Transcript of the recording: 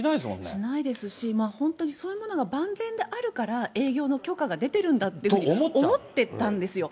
しないですし、本当にそういうものが万全であるから営業の許可が出てるんだというふうに思ってたんですよ。